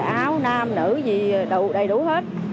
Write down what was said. áo nam nữ gì đầy đủ hết